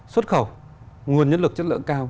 xuất khẩu nguồn nhân lực chất lượng cao